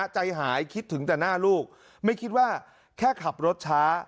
ใจหายคิดถึงแต่หน้าลูกไม่คิดว่าแค่ขับรถช้า